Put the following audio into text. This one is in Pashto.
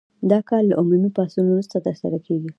دا کار له عمومي پاڅون وروسته ترسره کیږي.